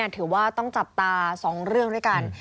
ถือว่าต้องจับตา๒เรื่องด้วยกัน